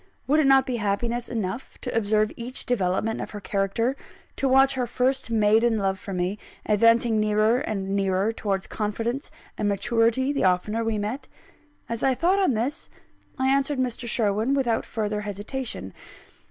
Would it not be happiness enough to observe each development of her character, to watch her first maiden love for me, advancing nearer and nearer towards confidence and maturity the oftener we met? As I thought on this, I answered Mr. Sherwin without further hesitation.